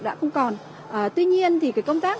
đã không còn tuy nhiên thì công tác